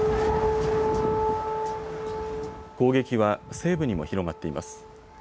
攻撃は西部にも広がっています。